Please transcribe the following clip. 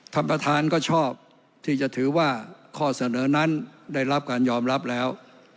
ท่านประธานก็ชอบที่จะถือว่าข้อเสนอนั้นได้รับการยอมรับแล้ว